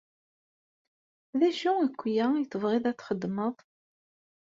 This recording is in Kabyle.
D acu akya i tebɣiḍ ad t-txedmeḍ?